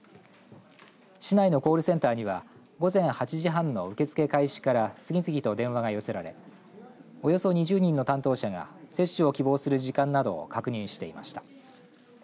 市内のコールセンターには午前８時半の受け付け開始から次々と電話が寄せられおよそ２０人の担当者が接種を希望する時間などを確認していました。